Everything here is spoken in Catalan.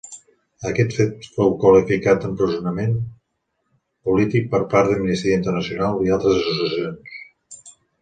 Aquest fet fou qualificat d'empresonament polític per part d'Amnistia Internacional i altres associacions.